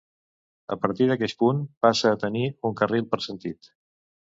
A partir d'aqueix punt, passa a tenir un carril per sentit.